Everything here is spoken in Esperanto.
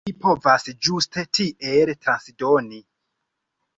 Vi povas ĝuste tiel transdoni.